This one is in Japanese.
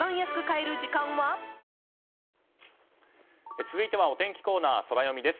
続いてはお天気コーナー、ソラよみです。